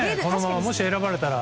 もし選ばれたらね。